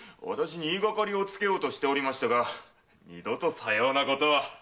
言いがかりをつけようとしておりましたが二度とさようなことは。